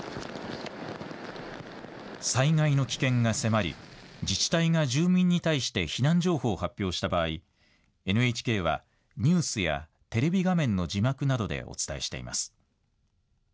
災害の危険が迫り、自治体が住民に対して避難情報を発表した場合、ＮＨＫは、ニュースやテレビ画面の字幕などでお伝えしています。